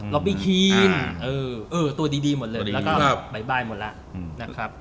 ล็อบบี้คีนตัวดีหมดเลยแล้วก็บ๊ายบายหมดแล้ว